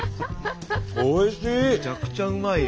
おいしい！